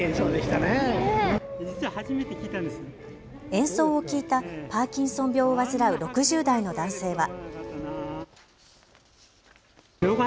演奏を聴いたパーキンソン病を患う６０代の男性は。